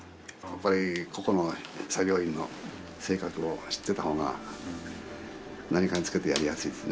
やっぱり個々の作業員の性格を知ってた方が何かにつけてやりやすいですね